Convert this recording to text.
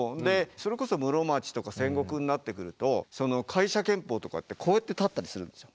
それこそ室町とか戦国になってくると介者剣法とかってこうやって立ったりするんですよ。